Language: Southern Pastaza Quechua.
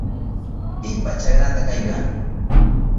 ¿Pipa chakranta kayka?